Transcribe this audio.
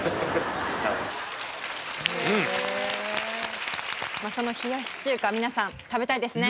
まあその冷やし中華皆さん食べたいですね？